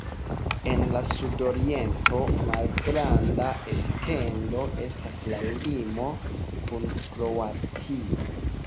En la sudoriento, malgranda etendo estas la limo kun Kroatio.